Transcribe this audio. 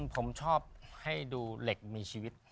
ผมชอบให้ดูเหล็กมีชีวิต